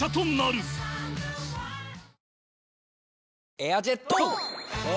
エアジェットォ！